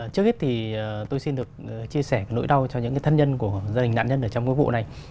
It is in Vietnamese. trước hết thì tôi xin được chia sẻ nỗi đau cho những cái thân nhân của gia đình nạn nhân ở trong cái vụ này